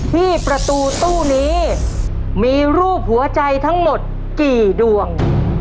ที่ประตูตู้นี้มีรูปหัวใจทั้งหมดกี่ดวง